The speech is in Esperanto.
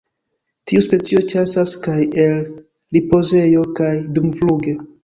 Tiu specio ĉasas kaj el ripozejo kaj dumfluge.